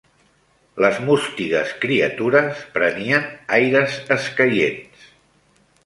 Les mústigues criatures prenien aires escaients